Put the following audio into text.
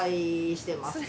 してますね。